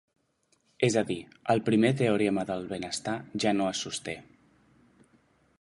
És a dir, el primer teorema del benestar ja no es sosté.